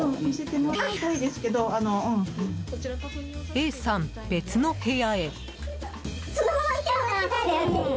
Ａさん、別の部屋へ。